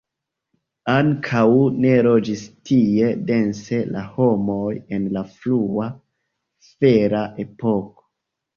Ankaŭ ne loĝis tie dense la homoj en la frua fera epoko.